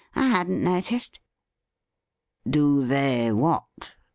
' I hadn't noticed.' ' Do they — ^what